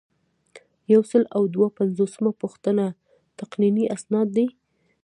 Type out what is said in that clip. یو سل او دوه پنځوسمه پوښتنه تقنیني اسناد دي.